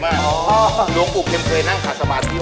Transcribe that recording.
แล้วดูนะเป็นอย่างไรเจ๊สี